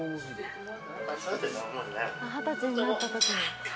二十歳になった時の。